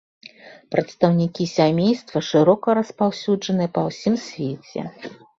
Прадстаўнікі сямейства шырока распаўсюджаны па ўсім свеце.